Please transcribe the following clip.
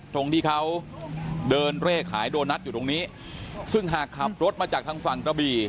ตรงที่เขาเดินเร่ขายโดนัทอยู่ตรงนี้ซึ่งหากขับรถมาจากทางฝั่งกระบี่